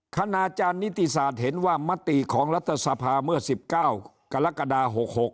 คณาจารย์นิติศาสตร์เห็นว่ามติของรัฐสภาเมื่อ๑๙กรกฎา๖๖